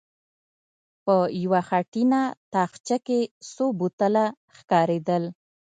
په يوه خټينه تاخچه کې څو بوتله ښکارېدل.